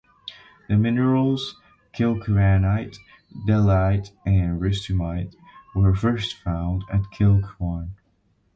The minerals kilchoanite, dellaite and rustumite were first found at Kilchoan.